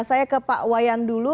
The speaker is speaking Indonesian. saya ke pak wayan dulu